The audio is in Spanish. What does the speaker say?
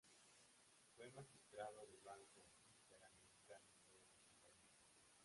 Fue magistrado del Banco Interamericano de Desarrollo.